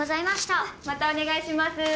またお願いします！